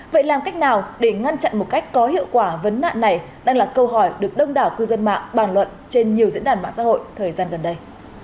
vậy làm cách nào để ngăn chặn một cách có hiệu quả vấn nạn này đang là câu hỏi được đông đảo cư dân mạng bàn luận trên nhiều diễn đàn mạng xã hội thời gian gần đây